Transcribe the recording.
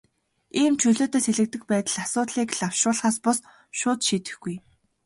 Ийм чөлөөтэй сэлгэдэг байдал асуудлыг лавшруулахаас бус, шууд шийдэхгүй.